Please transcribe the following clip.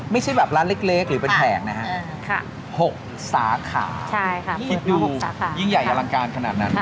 ไม่ใช่แบบร้านเล็กหรือเป็นแผงนะฮะ๖สาขาคิดดูยิ่งใหญ่อลังการขนาดนั้น